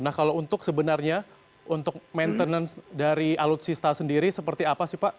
nah kalau untuk sebenarnya untuk maintenance dari alutsista sendiri seperti apa sih pak